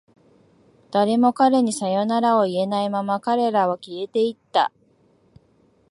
誰も彼らにさよならを言えないまま、彼らは消えていった。